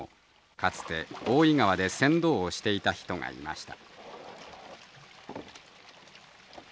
かつて大井川で船頭をしていた人がいました。